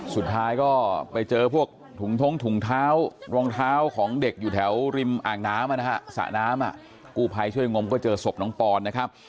สุดท้ายก็ไปเจอพวกถุงท้องถุงเท้ารองเท้าของเด็กอยู่แถวริมอ่างน้ำนะฮะ